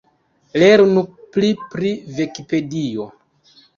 Lernu pli pri Vikipedio.